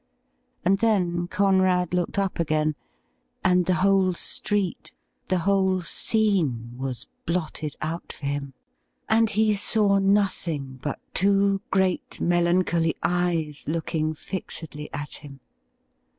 And then Conrad looked up again, and the whole street, the whole scene, was blotted out for him, and he saw nothing but two great melancholy eyes looking fixedly at him.